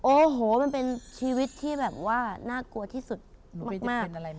โอ้โหมันเป็นชีวิตที่แบบว่าน่ากลัวที่สุดมาก